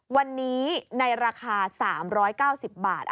วันนี้ในราคา๓๙๐บาท